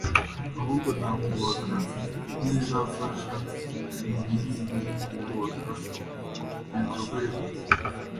ahubwo nakubaka n’izafasha mu bindi birimo kubaka ibikorwaremezo